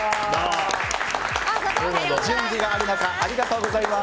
準備がある中ありがとうございます。